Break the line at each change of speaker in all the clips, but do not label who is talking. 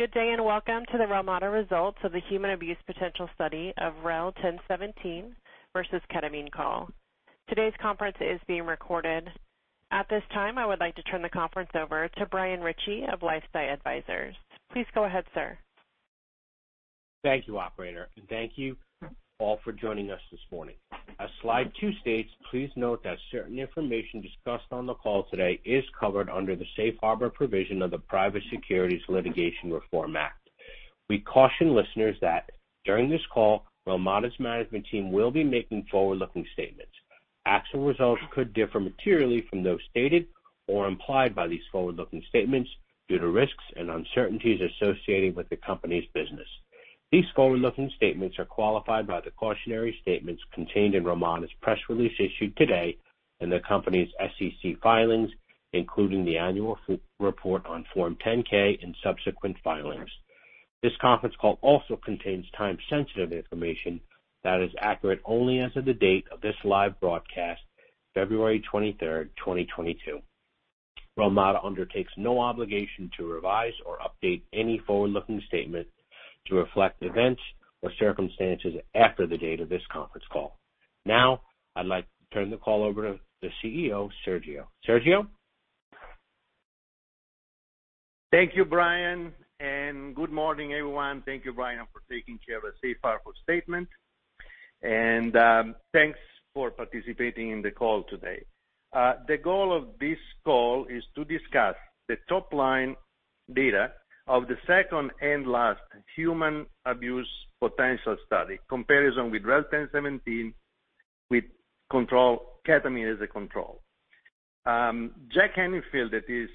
Good day, and welcome to the Relmada Results of the Human Abuse Potential Study of REL-1017 versus ketamine call. Today's conference is being recorded. At this time, I would like to turn the conference over to Brian Ritchie of LifeSci Advisors. Please go ahead, sir.
Thank you, operator, and thank you all for joining us this morning. As slide two states, please note that certain information discussed on the call today is covered under the Safe Harbor provision of the Private Securities Litigation Reform Act. We caution listeners that during this call, Relmada's management team will be making forward-looking statements. Actual results could differ materially from those stated or implied by these forward-looking statements due to risks and uncertainties associated with the company's business. These forward-looking statements are qualified by the cautionary statements contained in Relmada's press release issued today in the company's SEC filings, including the annual report on Form 10-K and subsequent filings. This conference call also contains time-sensitive information that is accurate only as of the date of this live broadcast, February 23, 2022. Relmada undertakes no obligation to revise or update any forward-looking statements to reflect events or circumstances after the date of this conference call. Now I'd like to turn the call over to the CEO, Sergio. Sergio.
Thank you, Brian, and good morning, everyone. Thank you, Brian, for taking care of the Safe Harbor statement, and thanks for participating in the call today. The goal of this call is to discuss the top-line data of the second and last human abuse potential study comparison with REL-1017, with ketamine as a control. Jack Henningfield, that is,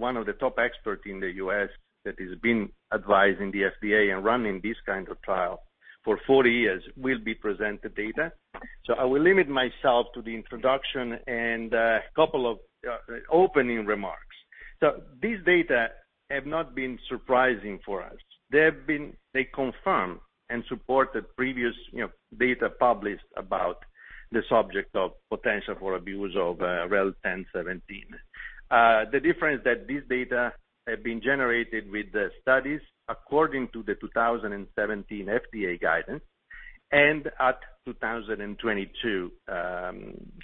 one of the top experts in the U.S. that has been advising the FDA and running these kinds of trials for 40 years, will be presenting data. I will limit myself to the introduction and a couple of opening remarks. These data have not been surprising for us. They confirm and support the previous, you know, data published about the subject of potential for abuse of REL-1017. The difference that these data have been generated with the studies according to the 2017 FDA guidance and 2022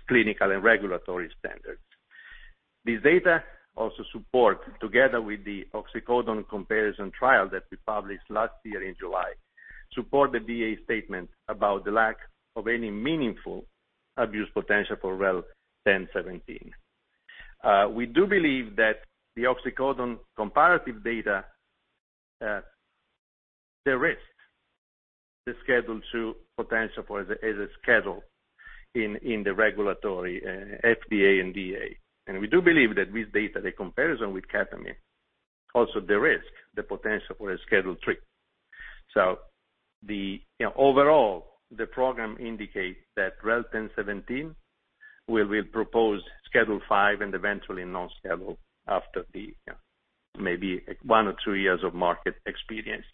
clinical and regulatory standards. These data also support, together with the oxycodone comparison trial that we published last year in July, the DEA statement about the lack of any meaningful abuse potential for REL-1017. We do believe that the oxycodone comparative data [reduce] the risk of Schedule II potential as a schedule in the regulatory FDA and DEA. We do believe that this data, the comparison with ketamine, also reduces the risk, the potential for a Schedule III. You know, overall, the program indicates that REL-1017 will be proposed Schedule V and eventually non-schedule after the, you know, maybe one or two years of market experience.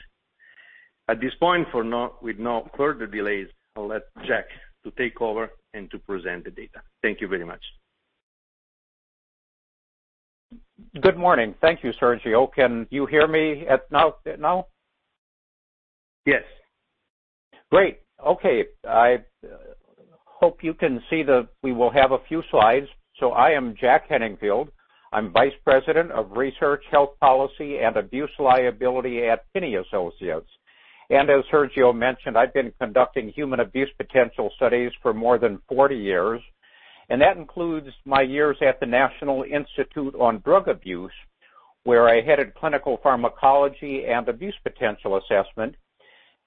At this point with no further delays, let Jack to take over and to present the data. Thank you very much.
Good morning. Thank you, Sergio. Can you hear me now?
Yes.
Great. Okay. I hope you can see. We will have a few slides. I am Jack Henningfield. I'm Vice President of Research, Health Policy and Abuse Liability at Pinney Associates. As Sergio mentioned, I've been conducting human abuse potential studies for more than 40 years, and that includes my years at the National Institute on Drug Abuse, where I headed Clinical Pharmacology and Abuse Potential Assessment.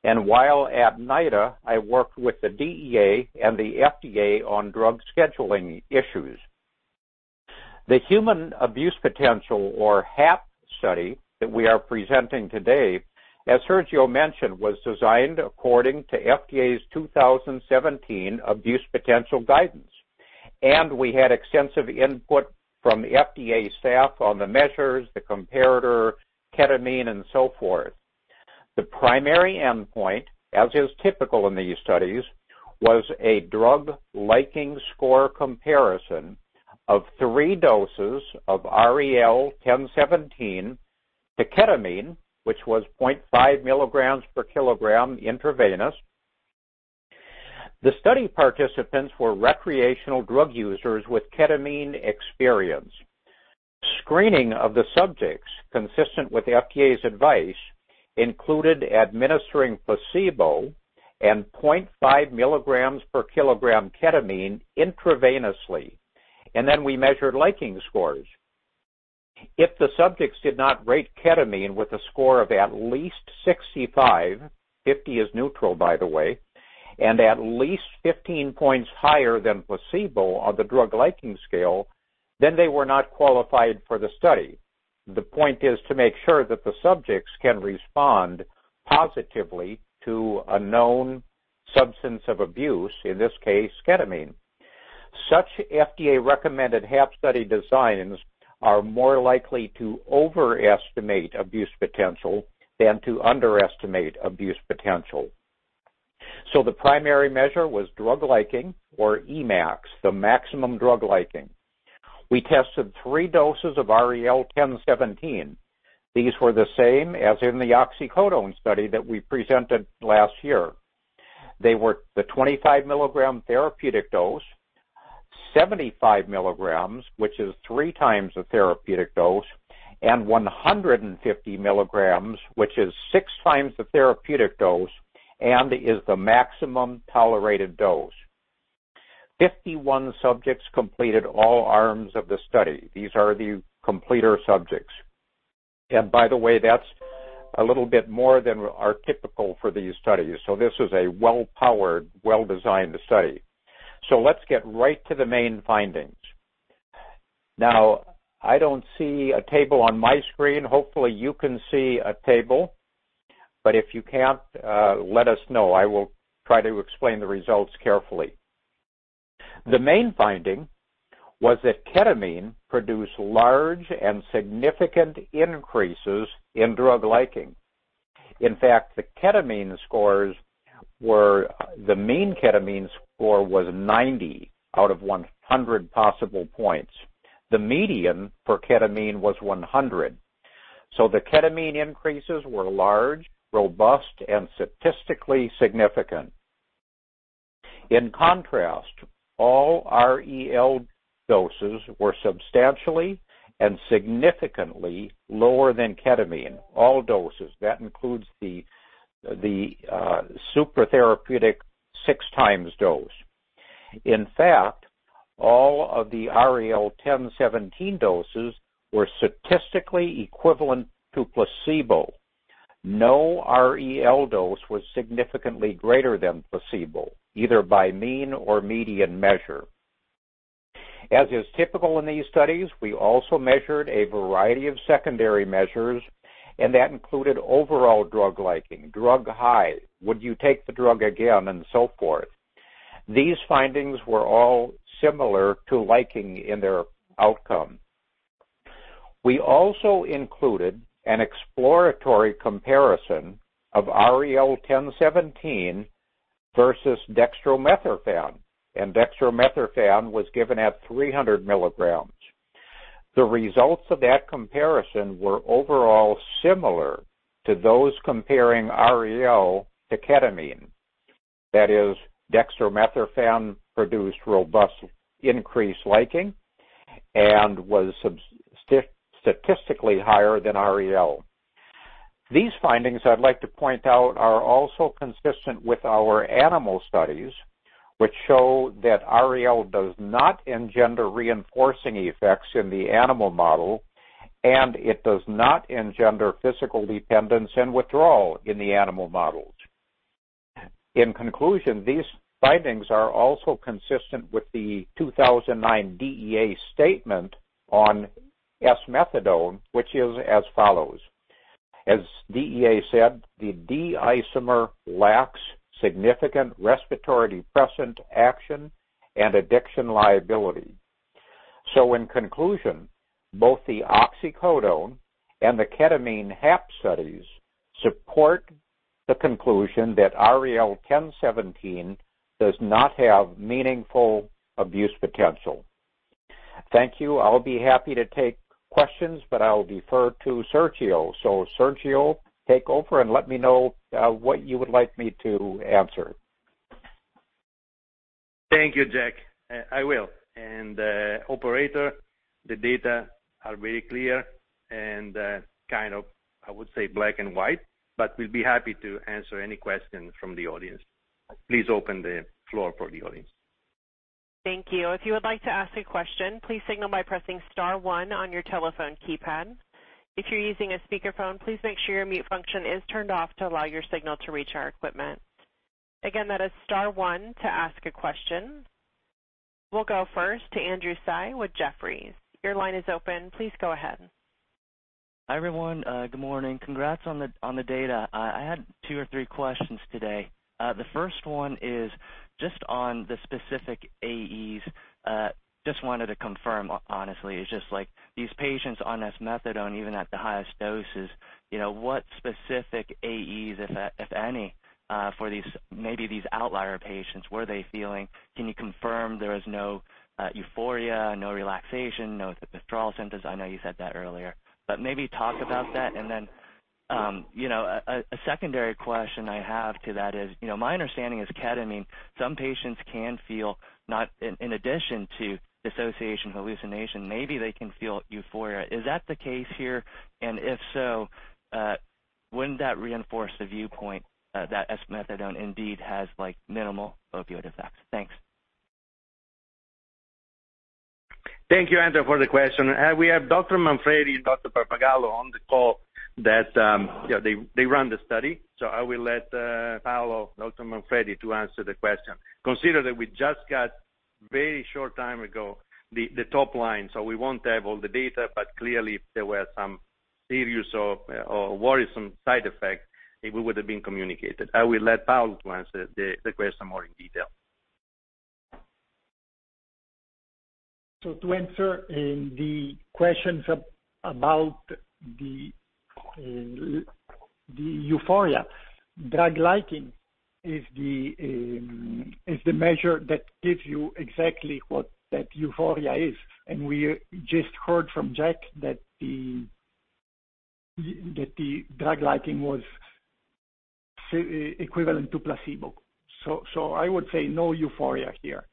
While at NIDA, I worked with the DEA and the FDA on drug scheduling issues. The human abuse potential or HAP study that we are presenting today, as Sergio mentioned, was designed according to FDA's 2017 abuse potential guidance. We had extensive input from FDA staff on the measures, the comparator, ketamine and so forth. The primary endpoint, as is typical in these studies, was a drug-liking score comparison of three doses of REL-1017 to ketamine, which was 0.5 mg/kg intravenous. The study participants were recreational drug users with ketamine experience. Screening of the subjects, consistent with the FDA's advice, included administering placebo and 0.5 mg/kg ketamine intravenously. We measured liking scores. If the subjects did not rate ketamine with a score of at least 65, 50 is neutral, by the way, and at least 15 points higher than placebo on the drug liking scale, then they were not qualified for the study. The point is to make sure that the subjects can respond positively to a known substance of abuse, in this case, ketamine. Such FDA recommended HAP study designs are more likely to overestimate abuse potential than to underestimate abuse potential. The primary measure was drug-liking or Emax, the maximum drug-liking. We tested three doses of REL-1017. These were the same as in the oxycodone study that we presented last year. They were the 25-mg therapeutic dose, 75 mg, which is three times the therapeutic dose, and 150 mg, which is six times the therapeutic dose and is the maximum tolerated dose. 51 subjects completed all arms of the study. These are the completer subjects. By the way, that's a little bit more than are typical for these studies. This is a well powered, well-designed study. Let's get right to the main findings. Now, I don't see a table on my screen. Hopefully, you can see a table, but if you can't, let us know. I will try to explain the results carefully. The main finding was that ketamine produced large and significant increases in drug liking. In fact, the mean ketamine score was 90 out of 100 possible points. The median for ketamine was 100. The ketamine increases were large, robust, and statistically significant. In contrast, all REL doses were substantially and significantly lower than ketamine. All doses. That includes the super therapeutic six-times dose. In fact, all of the REL-1017 doses were statistically equivalent to placebo. No REL dose was significantly greater than placebo, either by mean or median measure. As is typical in these studies, we also measured a variety of secondary measures, and that included overall drug liking, drug high, would you take the drug again, and so forth. These findings were all similar to liking in their outcome. We also included an exploratory comparison of REL-1017 versus dextromethorphan, and dextromethorphan was given at 300 mg. The results of that comparison were overall similar to those comparing REL to ketamine. That is, dextromethorphan produced robust increased liking and was statistically higher than REL. These findings, I'd like to point out, are also consistent with our animal studies, which show that REL does not engender reinforcing effects in the animal model, and it does not engender physical dependence and withdrawal in the animal models. In conclusion, these findings are also consistent with the 2009 DEA statement on S-methadone, which is as follows. As DEA said, "The d-isomer lacks significant respiratory depressant action and addiction liability." In conclusion, both the oxycodone and the ketamine HAP studies support the conclusion that REL-1017 does not have meaningful abuse potential. Thank you. I'll be happy to take questions, but I'll defer to Sergio. Sergio, take over and let me know what you would like me to answer.
Thank you, Jack. I will. Operator, the data are very clear and, kind of, I would say, black and white, but we'll be happy to answer any questions from the audience. Please open the floor for the audience.
Thank you. If you would like to ask a question, please signal by pressing star one on your telephone keypad. If you're using a speakerphone, please make sure your mute function is turned off to allow your signal to reach our equipment. Again, that is star one to ask a question. We'll go first to Andrew Tsai with Jefferies. Your line is open. Please go ahead.
Hi, everyone. Good morning. Congrats on the data. I had two or three questions today. The first one is just on the specific AEs. Just wanted to confirm, honestly. It's just like these patients on S-methadone, even at the highest doses, you know, what specific AEs, if any, for these, maybe these outlier patients were they feeling? Can you confirm there was no euphoria, no relaxation, no withdrawal symptoms? I know you said that earlier. Maybe talk about that, and then, you know, a secondary question I have to that is, you know, my understanding is ketamine, some patients can feel, in addition to dissociation, hallucination, maybe they can feel euphoria. Is that the case here? And if so, wouldn't that reinforce the viewpoint that S-methadone indeed has, like, minimal opioid effects? Thanks.
Thank you, Andrew, for the question. We have Dr. Manfredi and Dr. Pappagallo on the call that they run the study. I will let Paolo, Dr. Manfredi, to answer the question. Consider that we just got very short time ago the top line, so we won't have all the data, but clearly if there were some serious or worrisome side effects, it would have been communicated. I will let Paolo to answer the question more in detail.
To answer the questions about the euphoria. Drug liking is the measure that gives you exactly what that euphoria is. We just heard from Jack that the drug liking was equivalent to placebo. I would say no euphoria here.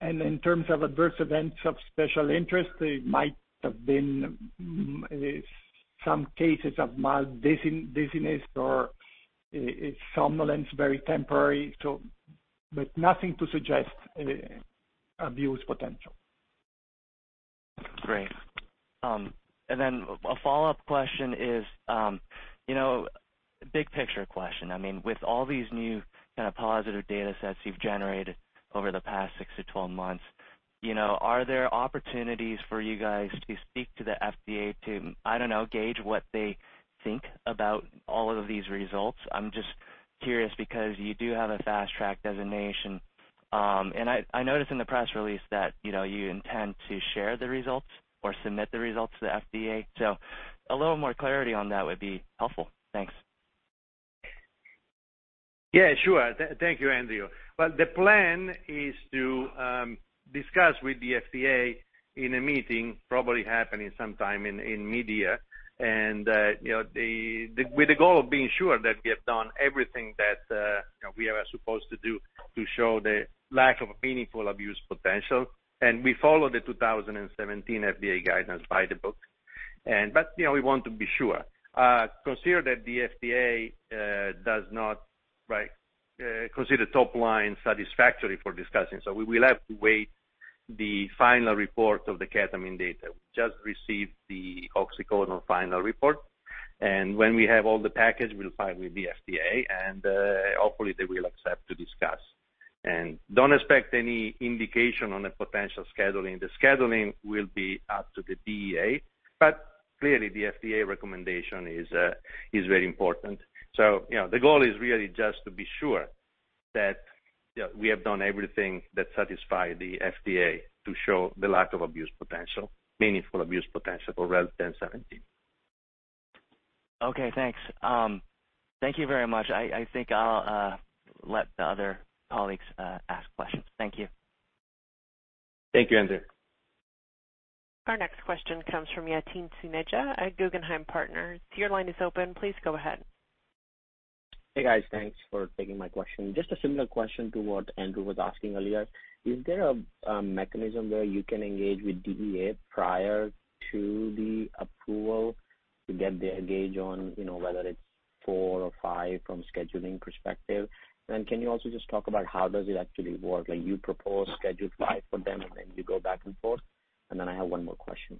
In terms of adverse events of special interest, there might have been some cases of mild dizziness or somnolence, very temporary. But nothing to suggest abuse potential.
Great. Then a follow-up question is, you know, big picture question. I mean, with all these new kind of positive data sets you've generated over the past six-12 months, you know, are there opportunities for you guys to speak to the FDA to, I don't know, gauge what they think about all of these results? I'm just curious because you do have a Fast Track designation. I noticed in the press release that, you know, you intend to share the results or submit the results to the FDA. So a little more clarity on that would be helpful. Thanks.
Yeah, sure. Thank you, Andrew. Well, the plan is to discuss with the FDA in a meeting probably happening sometime in mid-year. You know, with the goal of being sure that we have done everything that you know we are supposed to do to show the lack of meaningful abuse potential. We follow the 2017 FDA guidance by the book. But you know we want to be sure. Consider that the FDA does not, right, consider top line satisfactory for discussion. We will have to wait for the final report of the ketamine data. We just received the oxycodone final report. When we have all the package, we'll file with the FDA, and hopefully they will accept to discuss. Don't expect any indication on the potential scheduling. The scheduling will be up to the DEA, but clearly the FDA recommendation is very important. You know, the goal is really just to be sure that, you know we have done everything that satisfy the FDA to show the lack of abuse potential, meaningful abuse potential for REL-1017.
Okay, thanks. Thank you very much. I think I'll let the other colleagues ask questions. Thank you.
Thank you, Andrew.
Our next question comes from Yatin Suneja at Guggenheim Partners. Your line is open. Please go ahead.
Hey, guys. Thanks for taking my question. Just a similar question to what Andrew was asking earlier. Is there a mechanism where you can engage with DEA prior to the approval to get their gauge on, you know, whether it's IV or V from scheduling perspective? And can you also just talk about how does it actually work? Like, you propose schedule V for them, and then you go back and forth? I have one more question.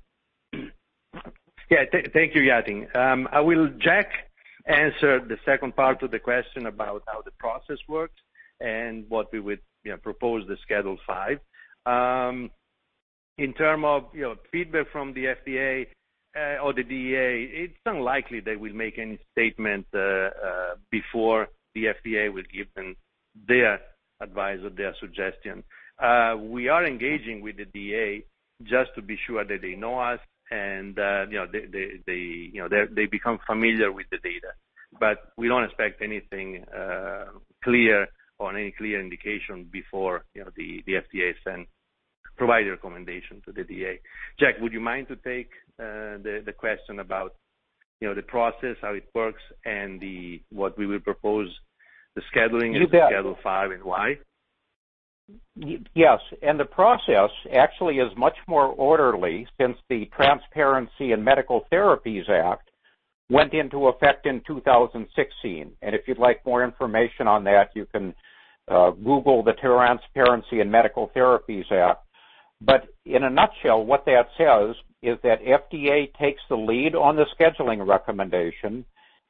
Yeah. Thank you, Yatin. I will let Jack answer the second part of the question about how the process works and what we would, you know, propose the schedule V. In terms of, you know, feedback from the FDA or the DEA, it's unlikely they will make any statement before the FDA will give them their advice or their suggestion. We are engaging with the DEA just to be sure that they know us and, you know, they become familiar with the data. But we don't expect anything clear or any clear indication before, you know, the FDA provide recommendation to the DEA. Jack, would you mind to take the question about, you know, the process, how it works and what we will propose the scheduling as a Schedule V and why?
Yes. The process actually is much more orderly since the Improving Regulatory Transparency for New Medical Therapies Act went into effect in 2016. If you'd like more information on that, you can Google the Improving Regulatory Transparency for New Medical Therapies Act. In a nutshell, what that says is that FDA takes the lead on the scheduling recommendation.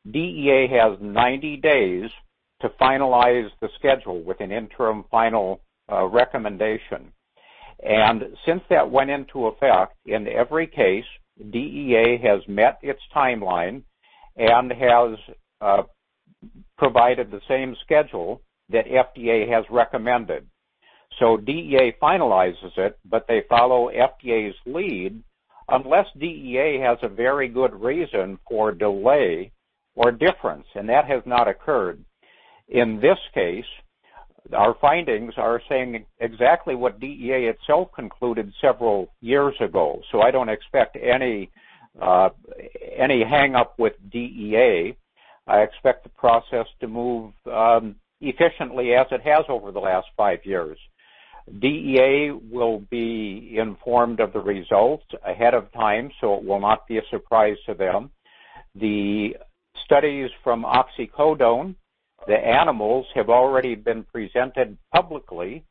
DEA has 90 days to finalize the schedule with an interim final recommendation. Since that went into effect, in every case, DEA has met its timeline and has provided the same schedule that FDA has recommended. DEA finalizes it, but they follow FDA's lead unless DEA has a very good reason for delay or difference, and that has not occurred. In this case, our findings are saying exactly what DEA itself concluded several years ago. I don't expect any hang up with DEA. I expect the process to move efficiently as it has over the last five years. DEA will be informed of the results ahead of time, so it will not be a surprise to them. The studies from oxycodone, the animals have already been presented publicly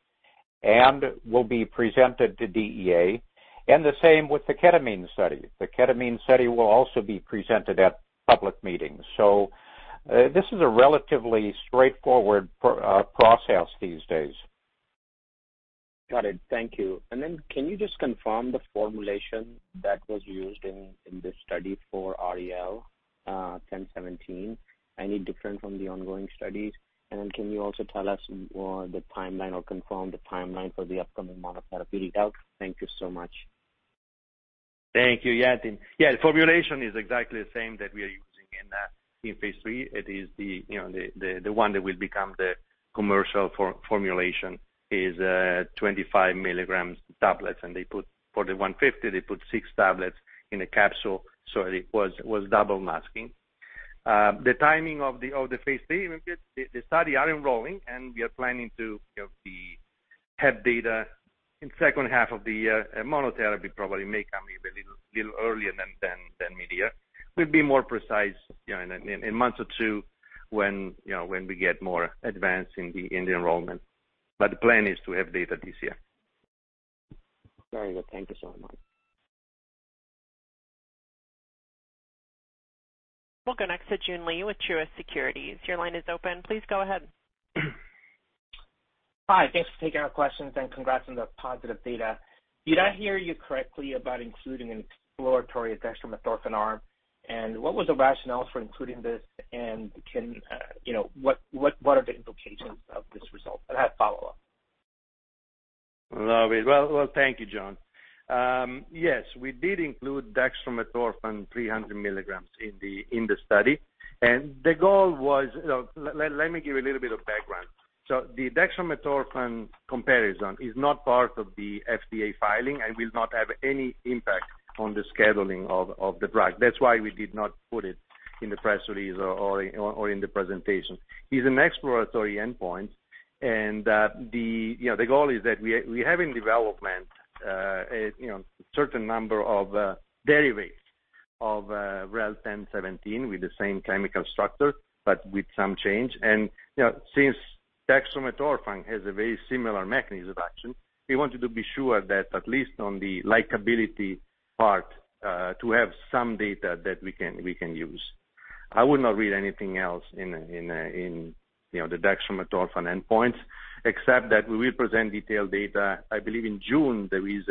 and will be presented to DEA, and the same with the ketamine study. The ketamine study will also be presented at public meetings. This is a relatively straightforward process these days.
Got it. Thank you. Can you just confirm the formulation that was used in this study for REL-1017? Any different from the ongoing studies? Can you also tell us more the timeline or confirm the timeline for the upcoming monotherapy results? Thank you so much.
Thank you, Yatin. Yeah, the formulation is exactly the same that we are using in phase III. It is you know the one that will become the commercial formulation is 25-mg tablets, and for the 150 mg they put six tablets in a capsule, so it was double masking. The timing of the phase III study are enrolling and we are planning to have data in second half of the year. Monotherapy probably may come even little earlier than mid-year. We'll be more precise you know in a month or two when you know when we get more advanced in the enrollment. The plan is to have data this year.
Very good. Thank you so much.
We'll go next to Joon Lee with Truist Securities. Your line is open. Please go ahead.
Hi. Thanks for taking our questions, and congrats on the positive data. Did I hear you correctly about including an exploratory dextromethorphan arm? What was the rationale for including this? You know, what are the implications of this result? I have a follow-up.
Well, thank you, Joon. Yes, we did include dextromethorphan 300 mg in the study. The goal was, let me give you a little bit of background. The dextromethorphan comparison is not part of the FDA filing and will not have any impact on the scheduling of the drug. That's why we did not put it in the press release or in the presentation. It's an exploratory endpoint and the goal is that we have in development certain number of derivatives of REL-1017 with the same chemical structure, but with some change. You know, since dextromethorphan has a very similar mechanism of action, we wanted to be sure that at least on the likability part, to have some data that we can use. I would not read anything else in, you know, the dextromethorphan endpoints, except that we will present detailed data. I believe in June there is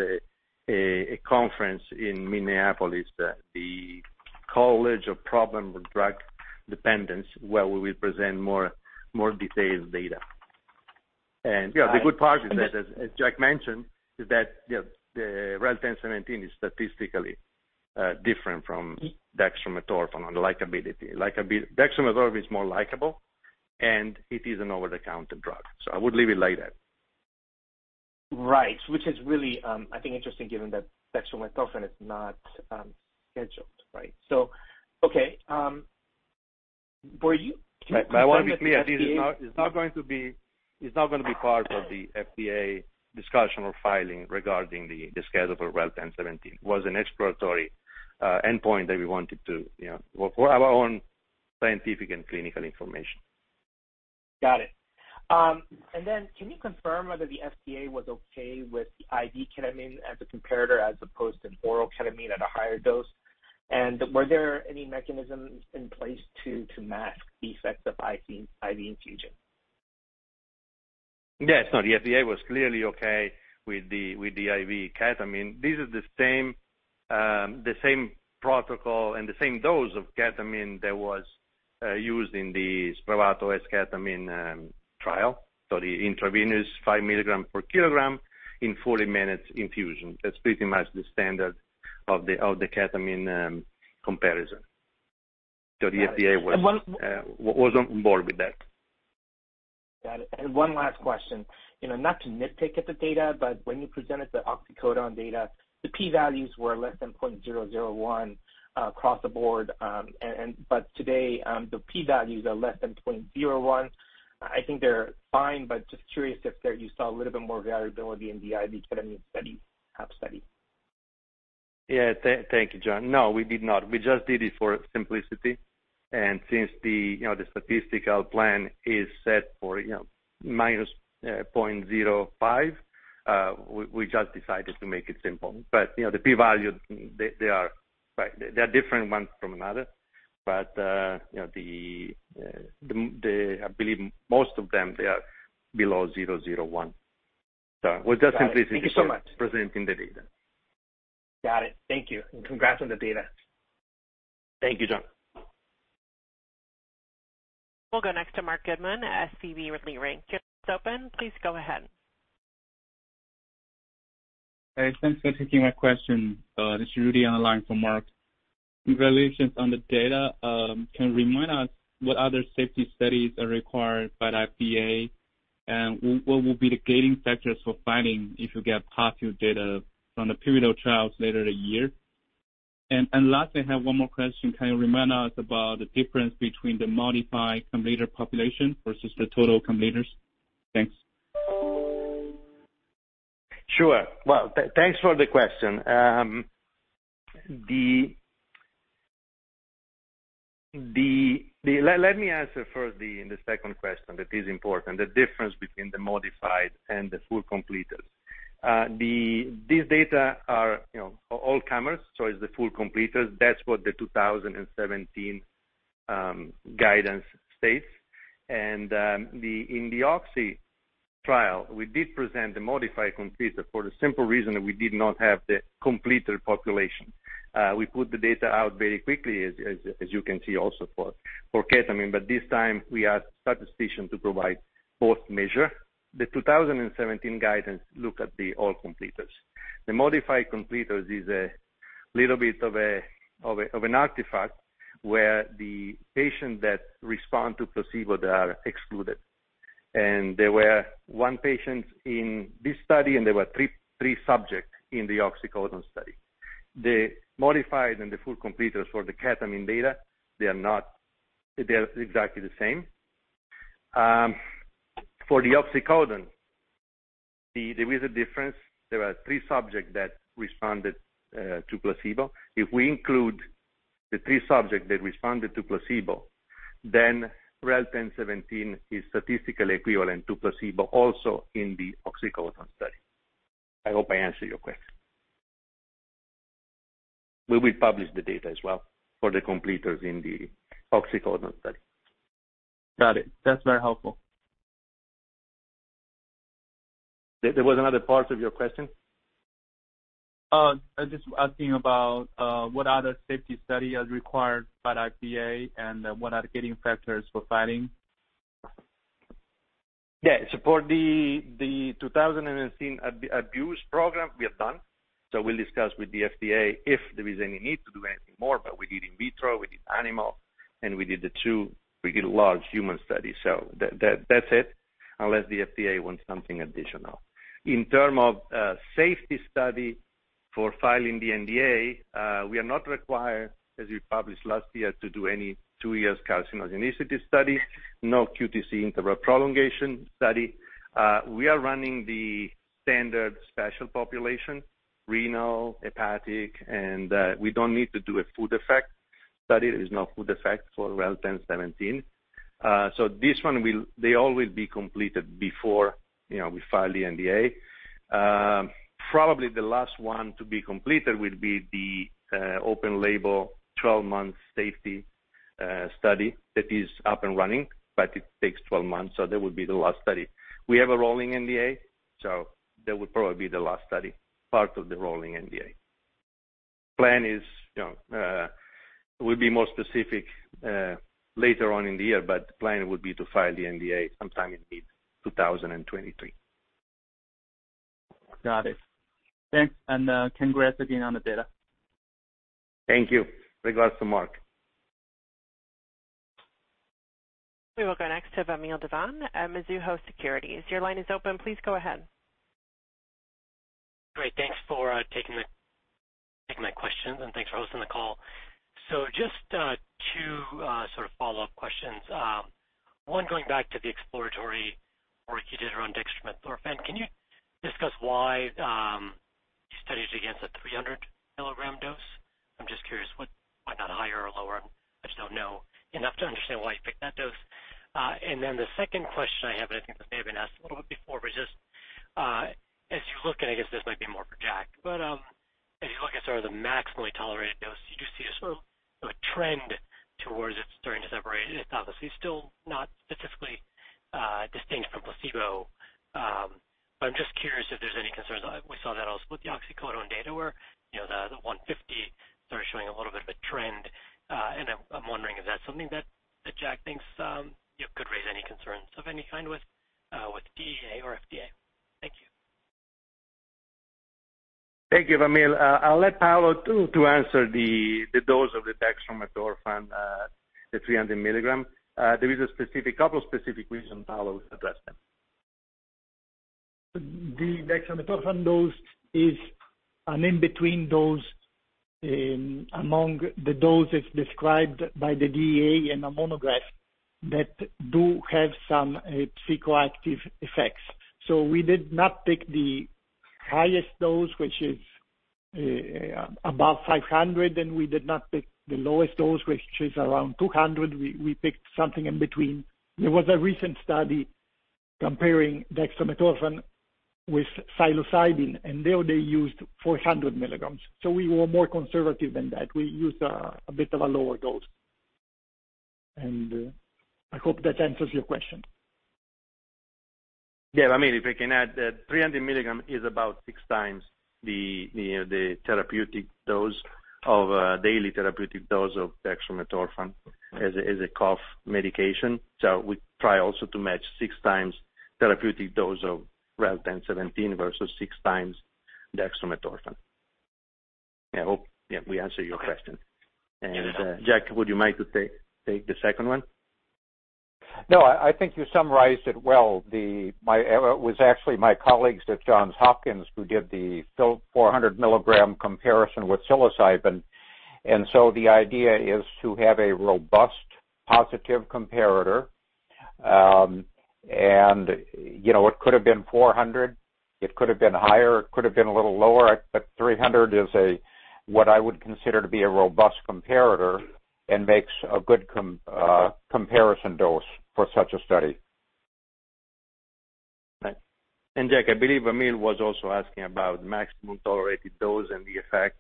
a conference in Minneapolis, the College on Problems of Drug Dependence, where we will present more detailed data. You know, the good part is that, as Jack mentioned, the REL-1017 is statistically different from dextromethorphan on likability. Dextromethorphan is more likable, and it is an over-the-counter drug. I would leave it like that.
Right. Which is really, I think interesting given that dextromethorphan is not scheduled, right? Okay. Were you-
I wanna be clear. This is not going to be part of the FDA discussion or filing regarding the schedule for REL-1017. It was an exploratory endpoint that we wanted to, you know, for our own scientific and clinical information.
Got it. Can you confirm whether the FDA was okay with the IV ketamine as a comparator as opposed to oral ketamine at a higher dose? Were there any mechanisms in place to mask the effects of IV infusion?
Yes. No, the FDA was clearly okay with the IV ketamine. This is the same protocol and the same dose of ketamine that was used in the SPRAVATO esketamine trial. The intravenous 5 mg/kg in 40 minutes infusion. That's pretty much the standard of the ketamine comparison. The FDA was on board with that.
Got it. One last question. You know, not to nitpick at the data, but when you presented the oxycodone data, the P values were less than 0.001 across the board. But today, the P values are less than 0.01. I think they're fine, but just curious if there you saw a little bit more variability in the IV ketamine study, HAP study.
Yeah. Thank you, Joon. No, we did not. We just did it for simplicity. Since the statistical plan is set for -0.05, we just decided to make it simple. The P values they are, right, they're different from one another. I believe most of them, they are below 0.001. It was just simplicity presenting the data.
Got it. Thank you. Congrats on the data.
Thank you, Joon.
We'll go next to Marc Goodman, SVB Leerink. Your line is open. Please go ahead.
Hey, thanks for taking my question. This is Rudy on the line for Marc. Congratulations on the data. Can you remind us what other safety studies are required by the FDA? What will be the gating factors for filing if you get positive data from the pivotal trials later this year? Lastly, I have one more question. Can you remind us about the difference between the modified completer population versus the total completers? Thanks.
Sure. Well, thanks for the question. Let me answer first the second question that is important, the difference between the modified and the full completers. These data are, you know, all comers, so is the full completers. That's what the 2017 guidance states. In the oxy trial, we did present the modified completer for the simple reason that we did not have the completer population. We put the data out very quickly as you can see also for ketamine, but this time we had statistician to provide both measures. The 2017 guidance looks at all completers. The modified completers is a little bit of an artifact where the patients that respond to placebo, they are excluded. There was one patient in this study, and there were three subjects in the oxycodone study. The modified and the full completers for the ketamine data are exactly the same. For the oxycodone, there is a difference. There are three subjects that responded to placebo. If we include the three subjects that responded to placebo, then REL-1017 is statistically equivalent to placebo also in the oxycodone study. I hope I answered your question. We will publish the data as well for the completers in the oxycodone study.
Got it. That's very helpful.
There was another part of your question.
I was just asking about what other safety study is required by the FDA and what are gating factors for filing?
For the 2017 abuse program, we are done. We'll discuss with the FDA if there is any need to do anything more, but we did in-vitro, we did animal, and we did the two large human studies. That's it, unless the FDA wants something additional. In terms of safety study for filing the NDA, we are not required, as we published last year, to do any two-year carcinogenicity study, no QTc interval prolongation study. We are running the standard special population, renal, hepatic, and we don't need to do a food effect study. There is no food effect for REL-1017. They all will be completed before, you know, we file the NDA. Probably the last one to be completed will be the open label 12-month safety study that is up and running, but it takes 12 months, so that will be the last study. We have a rolling NDA, so that would probably be the last study, part of the rolling NDA. The plan is, you know, will be more specific later on in the year, but the plan would be to file the NDA sometime in mid-2023.
Got it. Thanks, and congratulations on the data.
Thank you. Regards to Marc.
We will go next to Vamil Divan at Mizuho Securities. Your line is open. Please go ahead.
Great. Thanks for taking my questions, and thanks for hosting the call. Just two sort of follow-up questions. One going back to the exploratory work you did around dextromethorphan. Can you discuss why you studied against a 300-mg dose? I'm just curious, why not higher or lower? I just don't know enough to understand why you picked that dose. And then the second question I have, and I think this may have been asked a little bit before, but just as you look, and I guess this might be more for Jack, but as you look at sort of the maximally-tolerated dose, you do see a sort of a trend towards it starting to separate. It's obviously still not specifically distinct from placebo. But I'm just curious if there's any concerns. We saw that also with the oxycodone data where you know the 150mg started showing a little bit of a trend. I'm wondering, is that something that Jack thinks you know could raise any concerns of any kind with DEA or FDA? Thank you.
Thank you, Vamil. I'll let Paolo too, to answer the dose of the dextromethorphan, the 300 mg. There is a couple of specific reasons. Paolo will address them.
The dextromethorphan dose is an in-between dose among the doses described by the DEA in a monograph that do have some psychoactive effects. We did not pick the highest dose, which is above 500 mg, and we did not pick the lowest dose, which is around 200 mg. We picked something in between. There was a recent study comparing dextromethorphan with psilocybin, and there they used 400 mg. We were more conservative than that. We used a bit of a lower dose. I hope that answers your question.
Yeah. Vamil, if I can add, the 300 mg is about six times the daily therapeutic dose of dextromethorphan as a cough medication. We try also to match six times therapeutic dose of REL-1017 versus six times dextromethorphan. I hope, yeah, we answered your question. Jack, would you mind to take the second one?
No, I think you summarized it well. It was actually my colleagues at Johns Hopkins who did the 400-mg comparison with psilocybin. The idea is to have a robust positive comparator. You know, it could have been 400 mg, it could have been higher, it could have been a little lower. 300 mg is what I would consider to be a robust comparator and makes a good comparison dose for such a study.
Right. Jack, I believe Vamil was also asking about maximum tolerated dose and the effect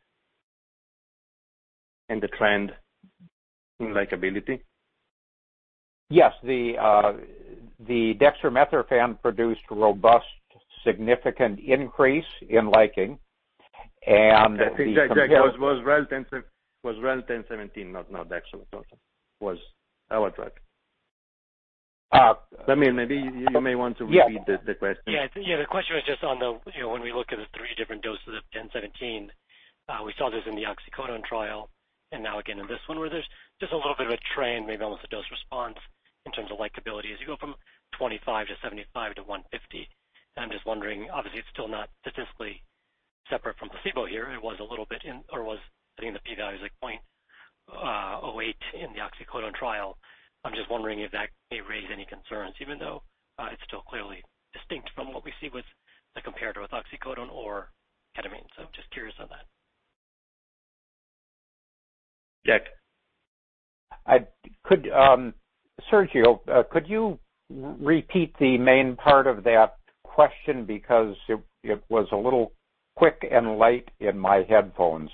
and the trend in likability.
Yes. The dextromethorphan produced robust significant increase in liking and—
I think, Jack, was REL-1017, not dextromethorphan, was our drug. Vamil, maybe you may want to repeat the question.
Yeah. Yeah, the question was just on the, you know, when we look at the three different doses of 1017, we saw this in the oxycodone trial and now again in this one where there's just a little bit of a trend, maybe almost a dose response in terms of likeability as you go from 25 mg to 75 mg to 150 mg. I'm just wondering, obviously, it's still not statistically separate from placebo here. It was a little bit in or was, I think the P value is like 0.08 in the oxycodone trial. I'm just wondering if that may raise any concerns even though it's still clearly distinct from what we see with the comparator with oxycodone or ketamine. Just curious on that.
Jack.
I could, Sergio, could you repeat the main part of that question because it was a little quick and light in my headphones.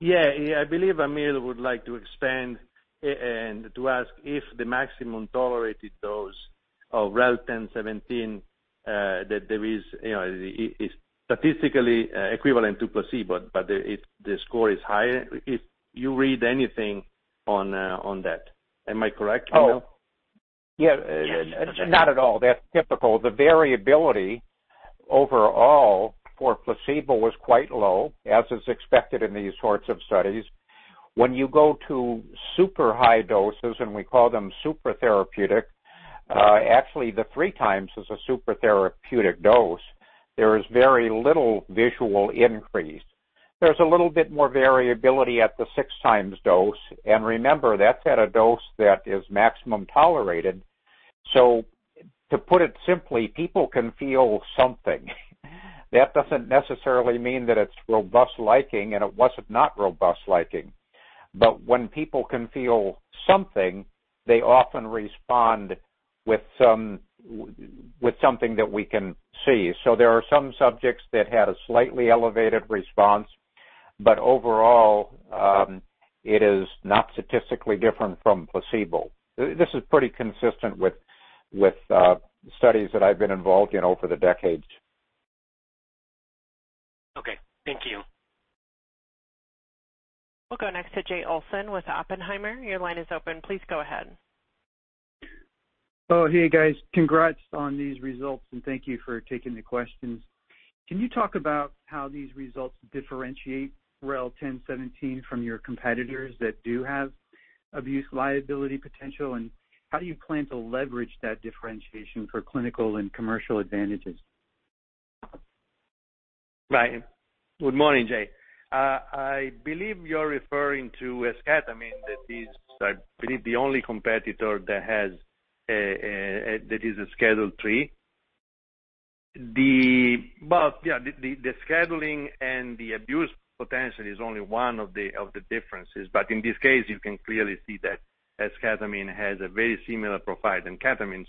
Yeah. I believe Vamil would like to expand and to ask if the maximum tolerated dose of REL-1017 that there is, you know, is statistically equivalent to placebo, but it, the score is higher. If you read anything on that. Am I correct, Vamil?
Yes.
Yeah. Not at all. That's typical. The variability overall for placebo was quite low, as is expected in these sorts of studies. When you go to super high doses, and we call them super therapeutic, actually the three times as a super therapeutic dose, there is very little visual increase. There's a little bit more variability at the six-times dose, and remember that's at a dose that is maximum tolerated. To put it simply, people can feel something. That doesn't necessarily mean that it's robust-liking, and it wasn't not robust-liking. When people can feel something, they often respond with something that we can see. There are some subjects that had a slightly elevated response, but overall, it is not statistically different from placebo. This is pretty consistent with studies that I've been involved in over the decades.
Okay. Thank you.
We'll go next to Jay Olson with Oppenheimer. Your line is open. Please go ahead.
Oh, hey, guys. Congrats on these results, and thank you for taking the questions. Can you talk about how these results differentiate REL-1017 from your competitors that do have abuse liability potential, and how do you plan to leverage that differentiation for clinical and commercial advantages?
Right. Good morning, Jay. I believe you're referring to esketamine that is, I believe, the only competitor that has a that is a Schedule III. The scheduling and the abuse potential is only one of the differences. In this case, you can clearly see that esketamine has a very similar profile to ketamine.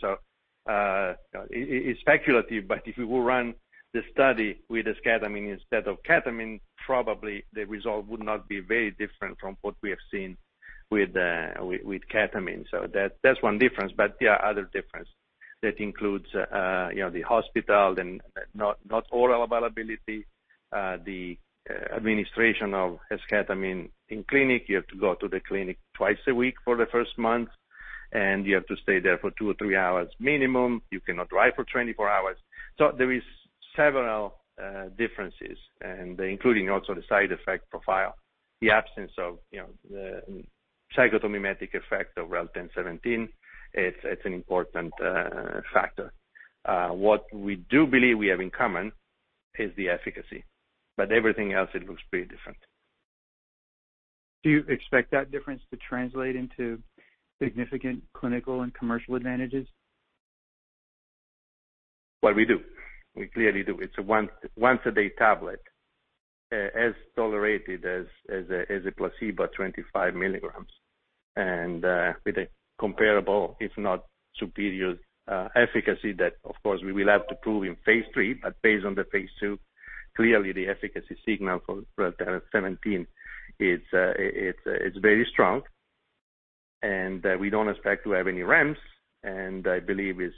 It's speculative, but if you will run the study with esketamine instead of ketamine, probably the result would not be very different from what we have seen with ketamine. That's one difference, but there are other difference that includes, you know, the hospital, not oral availability, the administration of esketamine in clinic. You have to go to the clinic twice a week for the first month, and you have to stay there for two or three hours minimum. You cannot drive for 24 hours. There is several differences and including also the side effect profile. The absence of, you know, the psychotomimetic effect of REL-1017, it's an important factor. What we do believe we have in common is the efficacy, but everything else, it looks pretty different.
Do you expect that difference to translate into significant clinical and commercial advantages?
Well, we do. We clearly do. It's a once-a-day tablet, as tolerated as a placebo, 25 mg. With a comparable, if not superior, efficacy that of course we will have to prove in phase III. Based on the phase II, clearly the efficacy signal for REL-1017 is, it's very strong. We don't expect to have any ramps. I believe it's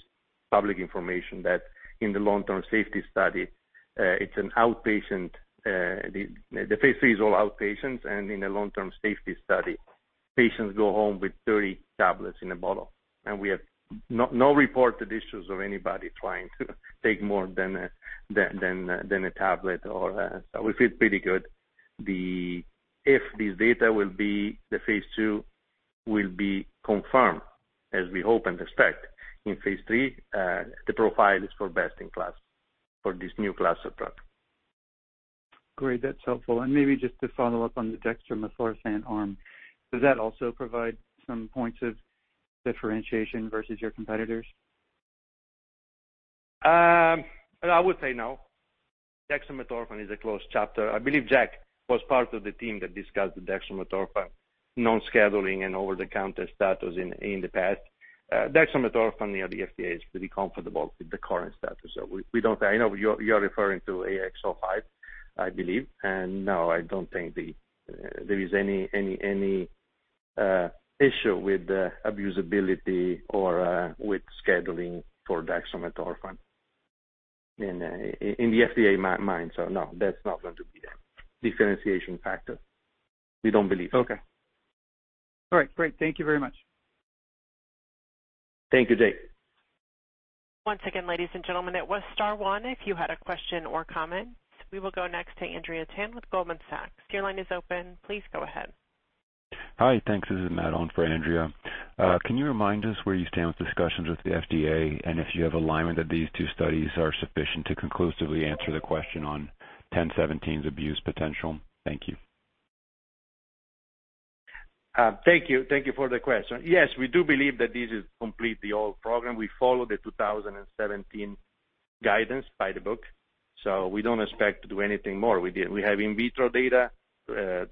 public information that in the long-term safety study, it's an outpatient. The phase III is all outpatients, and in a long-term safety study, patients go home with 30 tablets in a bottle. We have no reported issues of anybody trying to take more than a tablet or, so we feel pretty good. If this data, the phase II, will be confirmed, as we hope and expect, in phase III, the profile is for best-in-class for this new class of drug.
Great. That's helpful. Maybe just to follow-up on the dextromethorphan arm. Does that also provide some points of differentiation versus your competitors?
I would say no. Dextromethorphan is a closed chapter. I believe Jack was part of the team that discussed the dextromethorphan non-scheduling and over-the-counter status in the past. Dextromethorphan, you know, the FDA is pretty comfortable with the current status. So we don't. I know you're referring to AXS-05, I believe. No, I don't think there is any issue with the abusability or with scheduling for dextromethorphan in the FDA mind. No, that's not going to be the differentiation factor. We don't believe so.
Okay. All right, great. Thank you very much.
Thank you, Jay.
Once again, ladies and gentlemen, it is star one if you have a question or comment. We will go next to Andrea Tan with Goldman Sachs. Your line is open. Please go ahead.
Hi. Thanks. This is Matt on for Andrea. Can you remind us where you stand with discussions with the FDA and if you have alignment that these two studies are sufficient to conclusively answer the question on 1017's abuse potential? Thank you.
Thank you for the question. Yes, we do believe that this completes the whole program. We followed the 2017 guidance by the book, so we don't expect to do anything more. We have in-vitro data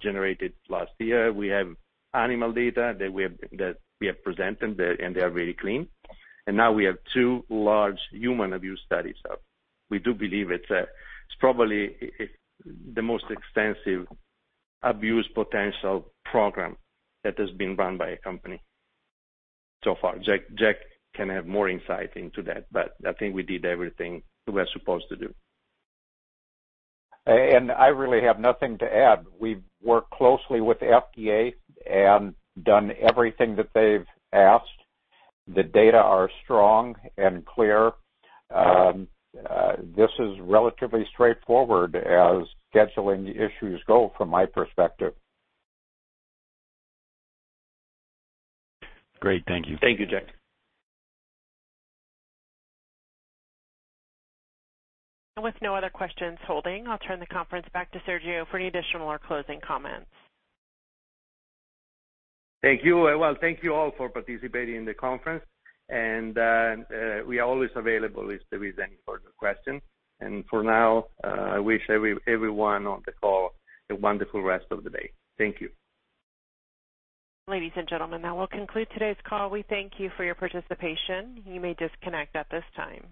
generated last year. We have animal data that we have presented there, and they are very clean. Now we have two large human abuse studies. So we do believe it's probably it's the most extensive abuse potential program that has been run by a company so far. Jack can have more insight into that, but I think we did everything we were supposed to do.
I really have nothing to add. We've worked closely with the FDA and done everything that they've asked. The data are strong and clear. This is relatively straightforward as scheduling issues go from my perspective.
Great. Thank you.
Thank you, Jack.
With no other questions holding, I'll turn the conference back to Sergio for any additional or closing comments.
Thank you. Well, thank you all for participating in the conference. We are always available if there is any further question. For now, I wish everyone on the call a wonderful rest of the day. Thank you.
Ladies and gentlemen, that will conclude today's call. We thank you for your participation. You may disconnect at this time.